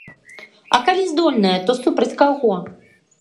А калі здольная, то супраць каго?